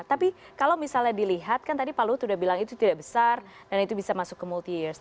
tapi kalau misalnya dilihat kan tadi pak luhut sudah bilang itu tidak besar dan itu bisa masuk ke multi years